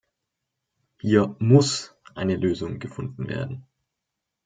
Hier muss eine Lösung gefunden werden.